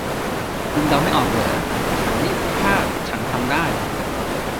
คุณเดาไม่ออกเหรอ 'ฉันรีบถ้าฉันทำได้'